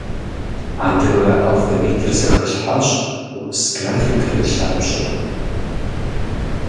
Адыгэ алфавитыр зэхэлъхьащ урыс графикэр и лъабжьэу.